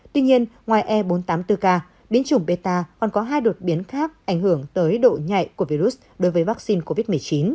tuy nhiên ngoài e bốn trăm tám mươi bốn k biến chủng beta còn có hai đột biến khác ảnh hưởng tới độ nhạy của virus đối với vaccine covid một mươi chín